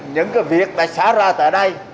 những việc đã xả ra tại đây